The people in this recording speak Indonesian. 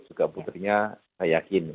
juga putrinya saya yakin